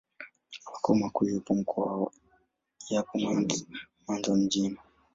Makao makuu ya mkoa yapo Mwanza mjini.